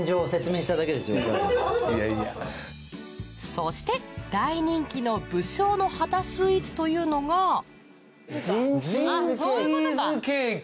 そして大人気の武将の旗スイーツというのが陣地ーズケーキ。